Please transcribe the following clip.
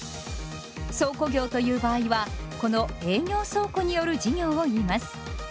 倉庫業という場合はこの営業倉庫による事業をいいます。